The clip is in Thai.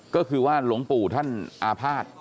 ก็คือว่าหลวงปู่ท่านอาภาษณ์